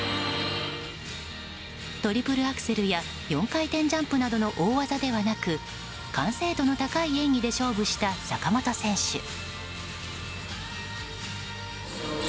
トリプルアクセルや４回転ジャンプなどの大技ではなく完成度の高い演技で勝負した坂本選手。